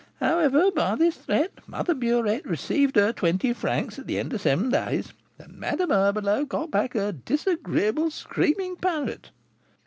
However, by this threat Mother Burette received her twenty francs at the end of seven days, and Madame Herbelot got back her disagreeable, screaming parrot."